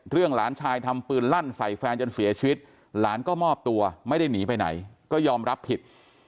หลานชายทำปืนลั่นใส่แฟนจนเสียชีวิตหลานก็มอบตัวไม่ได้หนีไปไหนก็ยอมรับผิด